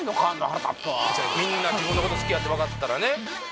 腹立つわみんな自分のこと好きやって分かったらね